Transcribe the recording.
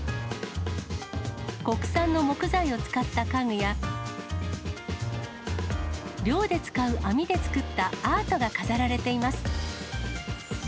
国産の木材を使った家具や、漁で使う網で作ったアートが飾られています。